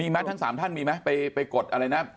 มีไหมทั้ง๓ท่านมีไหมไปกดอะไรนะ